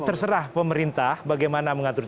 terserah pemerintah bagaimana mengatur